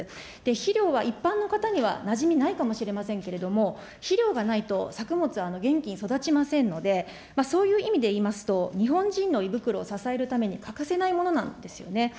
肥料は一般の方にはなじみないかもしれませんけれども、肥料がないと、作物は元気に育ちませんので、そういう意味で言いますと、日本人の胃袋を支えるために欠かせないものなんですよね。